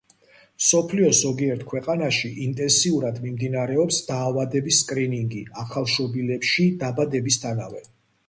მსოფლიოს ზოგიერთ ქვეყანაში ინტენსიურად მიმდინარეობს დაავადების სკრინინგი ახალშობილებში დაბადებისთანავე.